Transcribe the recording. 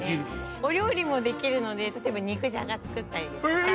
お料理もできるので例えば肉じゃが作ったりですとか。